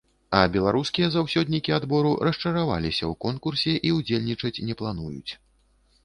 А беларускія заўсёднікі адбору расчараваліся ў конкурсе і ўдзельнічаць не плануюць.